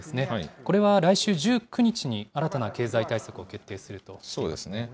これは来週１９日に、新たな経済対策を決定するとしています。